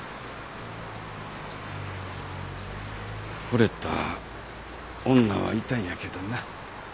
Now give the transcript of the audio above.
惚れた女はいたんやけどな。